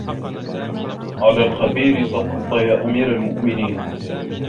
عَلَى الْخَبِيرِ سَقَطْتَ يَا أَمِيرَ الْمُؤْمِنِينَ